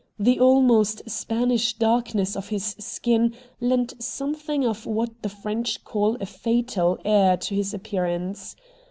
The almost Spanish darkness of his skin lent something of what the French call a fatal air to his appearance.